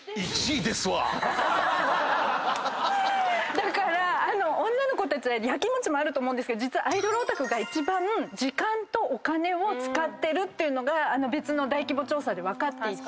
だから女の子たちは焼きもちもあると思うけど実はアイドルオタクが一番時間とお金を使ってるっていうのが別の大規模調査で分かっていて。